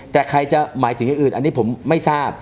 แต่ใครจะหมายถึงอื่นอันที่ผมไม่ทราบ